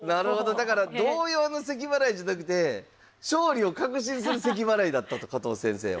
だから動揺のせきばらいじゃなくて勝利を確信するせきばらいだったと加藤先生は。